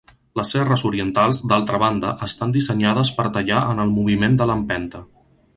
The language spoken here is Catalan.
Les serres orientals, d'altra banda, estan dissenyades per tallar en el moviment de d'empenta.